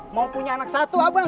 mau punya anak satu abang